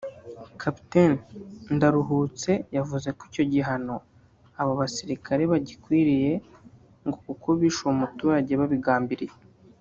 Capt Ndaruhutse yavuze ko icyo gihano abo basirikare bagikwiye ngo kuko bishe uwo muturage babigambiriye